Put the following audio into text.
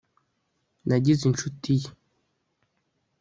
nagize inshuti ye